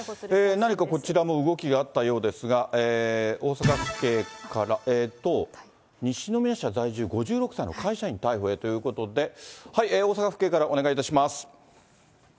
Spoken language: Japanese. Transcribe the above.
何かこちらも動きがあったようですが、大阪府警から、西宮市在住、５６歳の会社員逮捕へということで、大阪府警からお願いいたします。